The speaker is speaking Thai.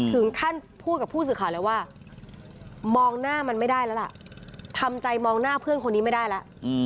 ถึงขั้นพูดกับผู้สื่อข่าวเลยว่ามองหน้ามันไม่ได้แล้วล่ะทำใจมองหน้าเพื่อนคนนี้ไม่ได้แล้ว